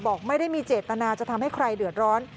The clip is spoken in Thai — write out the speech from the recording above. บอกไม่ได้มีเจตนาจะทำให้ใครเดือดร้อน